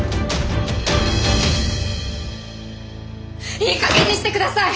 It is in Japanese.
いいかげんにしてください！